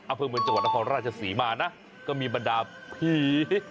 อำเภอเมืองจังหวัดนครราชศรีมานะก็มีบรรดาผี